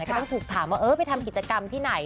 ก็ต้องถูกถามว่าเออไปทำกิจกรรมที่ไหน